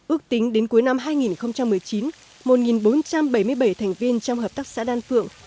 ước tính đến cuối năm hai nghìn một mươi chín một bốn trăm bảy mươi bảy thành viên trong hợp tác xã đan phượng